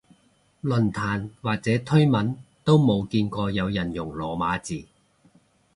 論壇或者推文都冇見過有人用羅馬字